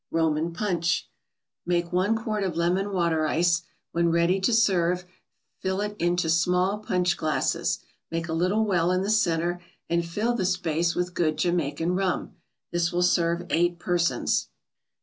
ROMAN PUNCH Make one quart of lemon water ice. When ready to serve, fill it into small punch glasses, make a little well in the centre and fill the space with good Jamaica rum. This will serve eight persons.